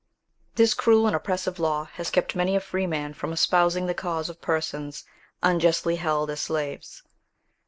This cruel and oppressive law has kept many a freeman from espousing the cause of persons unjustly held as slaves.